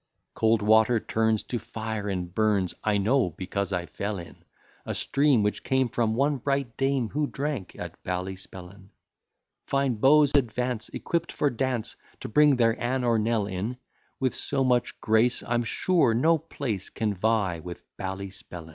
Cold water turns to fire, and burns I know, because I fell in A stream, which came from one bright dame Who drank at Ballyspellin. Fine beaux advance, equipt for dance, To bring their Anne or Nell in, With so much grace, I'm sure no place Can vie with Ballyspellin.